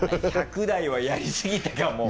「１００台はやりすぎたかも」。